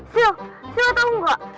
silah tau gak